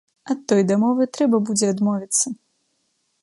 Ад той дамовы трэба будзе адмовіцца.